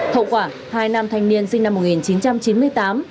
hậu quả hai nam thanh niên sinh năm một nghìn chín trăm chín mươi tám